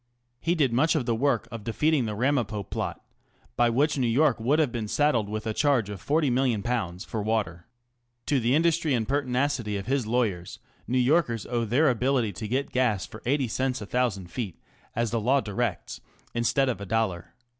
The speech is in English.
He did much of the work of defeating the Ramapo plot, by which New York would have been saddled with a charge of ,┬Ż40,000,000 for water. To the industry and pertinacity of his lawyers New Yorkers owe their ability to get gas for eighty cents a thousand feet, as the law directs, instead of a dollar.